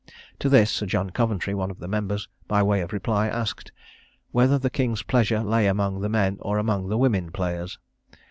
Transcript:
To this Sir John Coventry, one of the members, by way of reply, asked "Whether the king's pleasure lay among the men or among the women players?"